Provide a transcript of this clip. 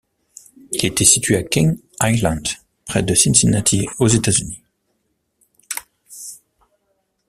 Il était situé à Kings Island près de Cincinnati, aux États-Unis.